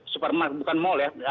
supermarket bukan mall ya